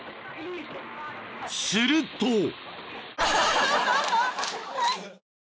［すると］